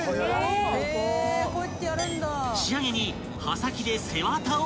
［仕上げに］